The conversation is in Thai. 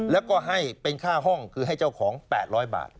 แล้วก็ให้เป็นค่าห้องคือให้เจ้าของ๘๐๐บาท